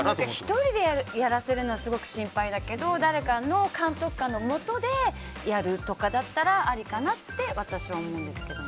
１人でやらせるのがすごく心配だけど誰かの監督下でやるとかだったらありかなって私は思うんですけど。